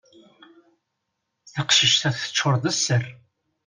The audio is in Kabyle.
Taqcict-a teččur d sser.